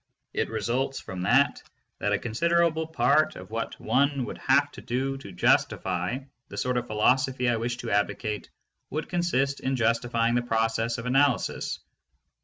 It results from that that a considerable part of what one would have to do to justify the sort of philosophy I wish to advocate would consist in justifying the process of analysis.